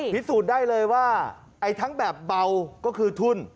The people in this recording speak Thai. พิสูจน์ได้เลยว่าไอ้ทั้งแบบเบาก็คือทุ่น